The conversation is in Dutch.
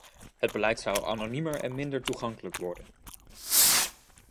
Het beleid zou anoniemer en minder toegankelijk worden.